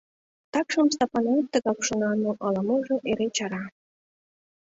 Такшым Стапанат тыгак шона, но ала-можо эре чара.